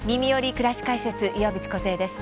くらし解説」岩渕梢です。